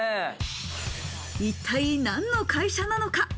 一体何の会社なのか。